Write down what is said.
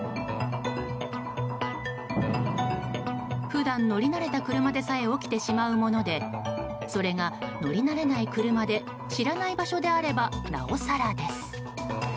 普段、乗り慣れた車でさえ起きてしまうものでそれが乗り慣れない車で知らない場所であればなおさらです。